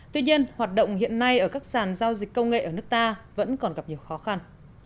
tuy nhiên hoạt động hiện nay ở các sàn giao dịch công nghệ ở nước ta vẫn còn gặp nhiều khó khăn